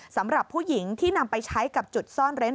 สำหรับผู้หญิงที่นำไปใช้กับจุดซ่อนเร้น